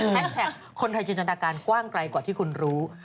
แท็กคนไทยจินตนาการกว้างไกลกว่าที่คุณรู้